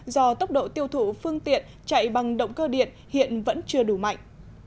do tốc độ tiêu thụ phương tiện chạy bằng động cơ điện hiện vẫn chưa đủ mạnh